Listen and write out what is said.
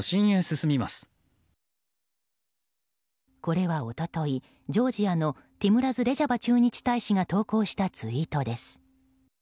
これは一昨日、ジョージアのティムラズ・レジャバ駐日大使が投稿したツイートです。